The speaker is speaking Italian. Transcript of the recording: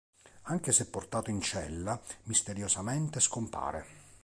Anche se portato in cella, misteriosamente scompare.